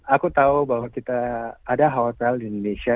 aku tahu bahwa kita ada hpl di indonesia